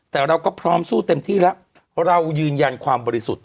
แต่เราก็พร้อมสู้เต็มที่แล้วเรายืนยันความบริสุทธิ์